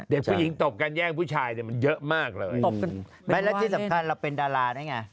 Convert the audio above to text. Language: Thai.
เด็กผู้หญิงตบกันแย่งผู้ชายเนี่ยมันเยอะมากเลยตบไม่แล้วที่สำคัญเราเป็นดาราได้ไง